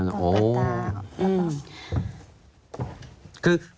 ตอนเปิดตา